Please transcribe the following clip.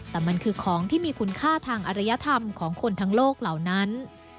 แต่มันคือของที่มีคุณค่าทางอริยธรรมของคนทั้งโลกเหล่านั้น